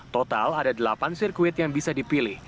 total ada delapan sirkuit yang bisa dipilih